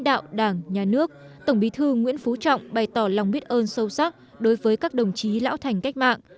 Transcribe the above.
đảng nhà nước tổng bí thư nguyễn phú trọng bày tỏ lòng biết ơn sâu sắc đối với các đồng chí lão thành cách mạng